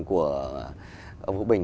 của ông vũ bình